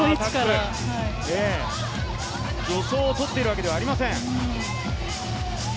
助走を取っているわけではありません。